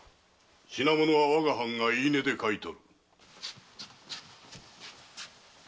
品物は我が藩が言い値で買い取る。